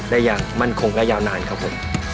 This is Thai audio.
อย่างมั่นคงและยาวนานครับผม